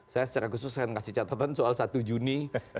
saya secara khusus saya kasih catatan soal satu juni dua ribu dua puluh